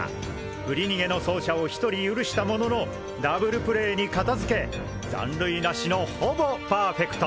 振り逃げの走者を１人許したもののダブルプレーに片付け残塁なしのほぼパーフェクト！